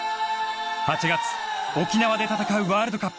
８月沖縄で戦うワールドカップ。